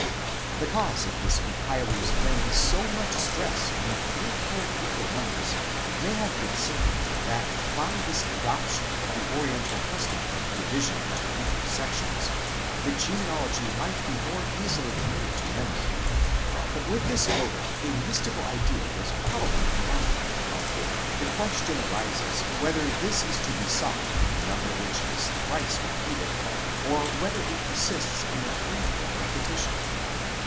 The cause of the compiler's laying so much stress on the threefold equal numbers, may have been simply, that by this adoption of the Oriental custom of division into equal sections, the genealogy might be more easily committed to memory :19 but with this motive a mystical idea was probably combined. 'The question arises whether this is to be sought in the number which is thrice repeated, or whether it consists in the threefold repetition?